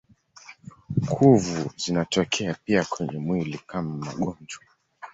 Kuvu zinatokea pia kwenye mwili kama magonjwa.